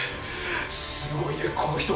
すごいねこの人！